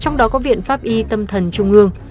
trong đó có viện pháp y tâm thần trung ương